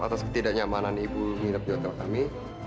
atas ketidaknyamanan ibu minabjotel kami